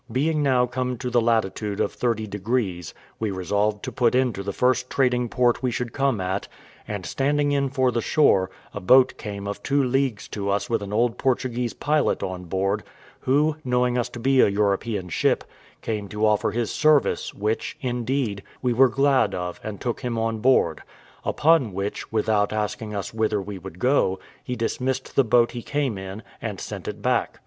Being now come to the latitude of 30 degrees, we resolved to put into the first trading port we should come at; and standing in for the shore, a boat came of two leagues to us with an old Portuguese pilot on board, who, knowing us to be an European ship, came to offer his service, which, indeed, we were glad of and took him on board; upon which, without asking us whither we would go, he dismissed the boat he came in, and sent it back.